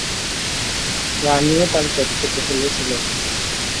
রানীও তার পেট কেটে ফেলছিল।